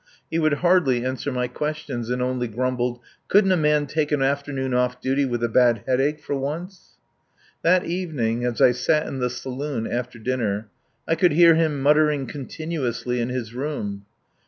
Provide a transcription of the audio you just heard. He would hardly answer my questions, and only grumbled. Couldn't a man take an afternoon off duty with a bad headache for once? That evening, as I sat in the saloon after dinner, I could hear him muttering continuously in his room.